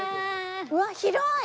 うわっ広い！